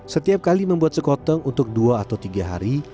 setiap kali membuat sekotong untuk dua atau tiga hari